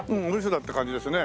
って感じですね。